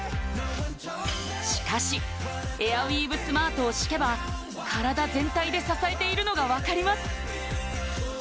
しかしエアウィーヴスマートを敷けば体全体で支えているのが分かります